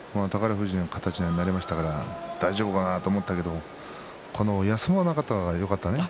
富士の形になりましたから大丈夫かなと思いましたけど休まなかったのがよかったですね。